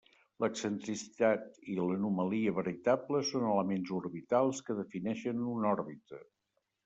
L'excentricitat i l'anomalia veritable són elements orbitals que defineixen una òrbita.